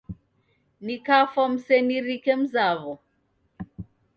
Nikafwa msenirike mzaw'o.